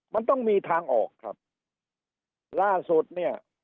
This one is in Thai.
มันต้องมีทางออกครับล่าสุดเนี่ย